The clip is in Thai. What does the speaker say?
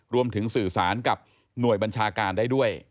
รวมถึงสื่อสารกับหน่วยบัญชาการได้ด้วย